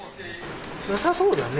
よさそうだね。